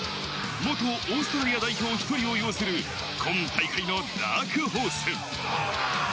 元オーストラリア代表１人を擁する今大会のダークホース。